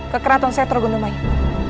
ke keraton setro gundumaya